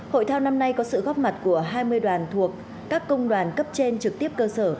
hội thao năm nay có sự góp mặt của hai mươi đoàn thuộc các công đoàn cấp trên trực tiếp cơ sở